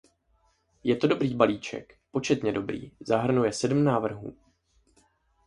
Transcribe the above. Je to dobrý balíček, početně dobrý, zahrnuje sedm návrhů.